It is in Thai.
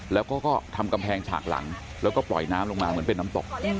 แล้วก็ทำกำแพงฉากหลังแล้วก็ปล่อยน้ำลงมาเหมือนเป็นน้ำตก